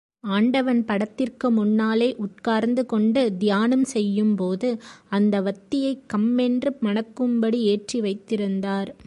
ஆண்டவன் படத்திற்கு முன்னாலே உட்கார்ந்து கொண்டு தியானம் செய்யும்போது, அந்த வத்தியைக் கம்மென்று மணக்கும்படி ஏற்றி வைத்திருந்தார்.